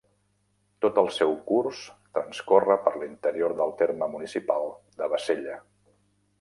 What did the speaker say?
Tot el seu curs transcorre per l'interior del terme municipal de Bassella.